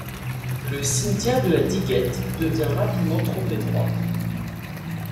Le cimetière de la Diguette devient rapidement trop étroit.